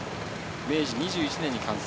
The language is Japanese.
明治２１年に完成。